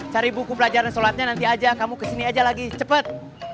cari buku pelajaran sholatnya nanti aja kamu kesini aja lagi cepet